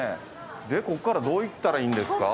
でここからどう行ったらいいんですか？